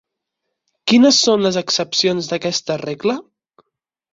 Quines són les excepcions d'aquesta regla?